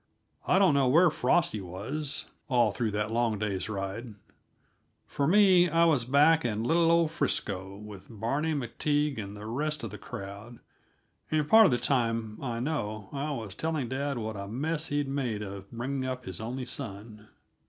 I don't know where Frosty was, all through that long day's ride; for me, I was back in little old Frisco, with Barney MacTague and the rest of the crowd; and part of the time, I know, I was telling dad what a mess he'd made of bringing up his only son.